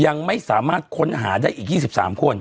ยังไม่สามารถค้นหาได้อีกยี่สิบสามคน